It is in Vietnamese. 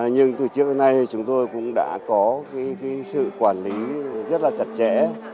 nhưng từ trước đến nay thì chúng tôi cũng đã có cái sự quản lý rất là chặt chẽ